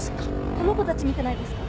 この子たち見てないですか？